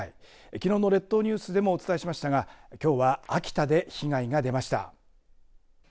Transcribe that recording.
きのうの列島ニュースでもお伝えしましたがきょうは秋田で被害が出ました。